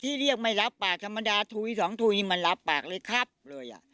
เรียกไม่รับปากธรรมดาถุยสองถุยนี่มันรับปากเลยครับเลยอ่ะ